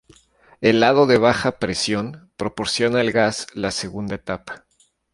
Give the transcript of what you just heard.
El lado de baja presión proporciona el gas la segunda etapa.